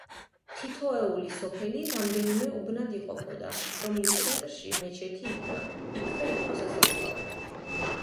თითოეული სოფელი რამდენიმე უბნად იყოფოდა, რომლის ცენტრში მეჩეთი იდგა; იქვე იყო სასაფლაო.